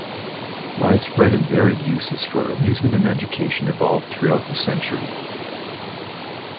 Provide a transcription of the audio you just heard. Widespread and varied uses for amusement and education evolved throughout the century.